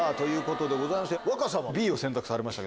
若様Ｂを選択されました。